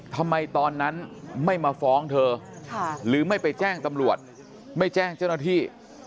ทำไมตอนนั้นไม่มาฟ้องเธอหรือไม่ไปแจ้งตำรวจไม่แจ้งเจ้าหน้าที่